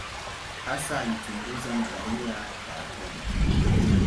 Hasa alichunguza nadharia ya atomu.